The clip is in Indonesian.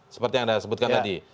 seperti yang anda sebutkan tadi